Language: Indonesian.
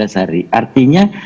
empat belas hari artinya